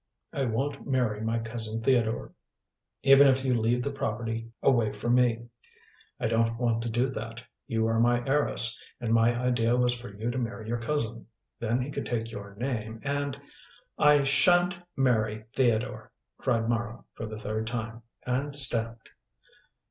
I won't marry my cousin Theodore, even if you leave the property away from me." "I don't want to do that. You are my heiress, and my idea was for you to marry your cousin. Then he could take your name, and " "I shan't marry Theodore," cried Mara for the third time, and stamped.